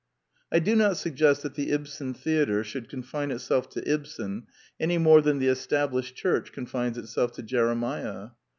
I do not suggest that the Ibsen theatre should confine itself to Ibsen any more than the Estab lished Church confines itself to Jeremiah.